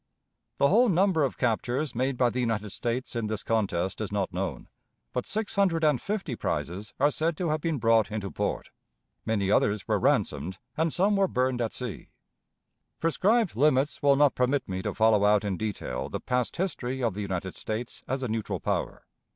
The whole number of captures made by the United States in this contest is not known, but six hundred and fifty prizes are said to have been brought into port. Many others were ransomed, and some were burned at sea. Prescribed limits will not permit me to follow out in detail the past history of the United States as a neutral power.